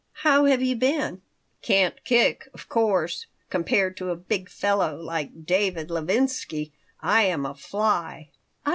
"How have you been?" "Can't kick. Of course, compared to a big fellow like David Levinsky, I am a fly."